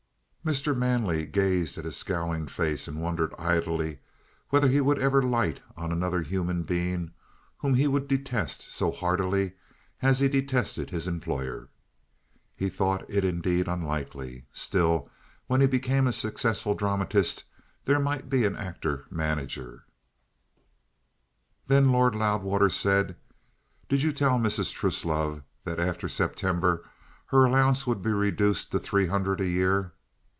Mr. Manley gazed at his scowling face and wondered idly whether he would ever light on another human being whom he would detest so heartily as he detested his employer. He thought it indeed unlikely. Still, when he became a successful dramatist there might be an actor manager Then Lord Loudwater said: "Did you tell Mrs. Truslove that after September her allowance would be reduced to three hundred a year?"